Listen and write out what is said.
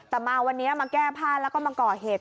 แต่มาวันนี้มาแก้ผ้าแล้วก็มาก่อเหตุ